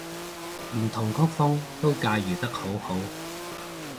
唔同曲風都駕馭得好好